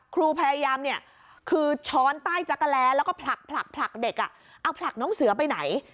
ครูพยายามเนี่ยคือช้อนใต้จักรแลแล้วก็ผลักเด็กเอาผลักน้องเสือไปไหน